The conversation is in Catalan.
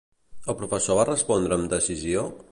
El professor va respondre amb decisió?